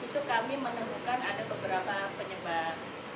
di situ kami menemukan ada beberapa penyebab